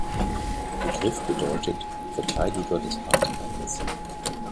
Der Begriff bedeutet "„Verteidiger des Vaterlandes“".